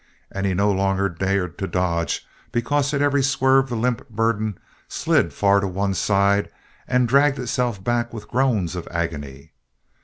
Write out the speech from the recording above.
And he no longer dared to dodge, because at every swerve that limp burden slid far to one side and dragged itself back with groans of agony.